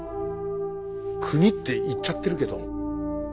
「国」って言っちゃってるけど。